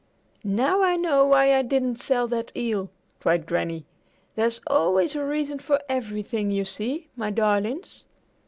"Now I know why I didn't sell that eel," cried Granny. "There's always a reason for everything, you see, my darlings."